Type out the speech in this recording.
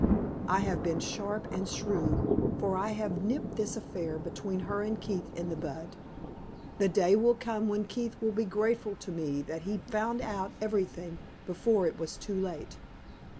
I have been sharp and shrewd, for I have nipped this affair between her and Keith in the bud. The day will come when Keith will be grateful to me that he found out everything before it was too late.